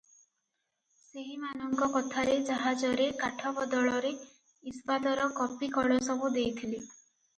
ସେହିମାନଙ୍କ କଥାରେ ଜାହାଜରେ କାଠ ବଦଳରେ ଇସ୍ପାତର କପି କଳ ସବୁ ଦେଇଥିଲି ।